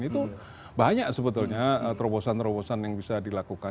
itu banyak sebetulnya terobosan terobosan yang bisa dilakukan